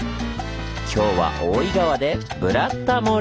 今日は大井川で「ブラタモリ」！